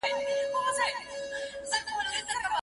په خپلو پرېکړو کي د خطر منلو جرات ولرئ.